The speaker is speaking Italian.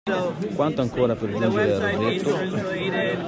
Quanto ancora per giungere a Rosetto?